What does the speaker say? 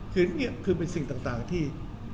คือเป็นสิ่งต่างที่